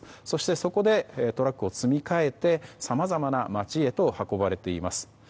そして、そこでトラックを積み替えてさまざまな街へと運ばれていきます。